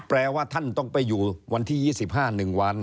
แปลว่าท่านต้องไปอยู่วันที่๒๕๑วัน